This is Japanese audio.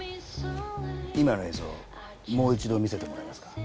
今の映像もう一度見せてもらえますか？